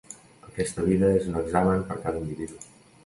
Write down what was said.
Aquesta vida és un examen per cada individu.